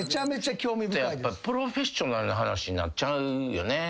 やっぱプロフェッショナルな話になっちゃうよね。